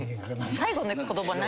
最後の言葉何？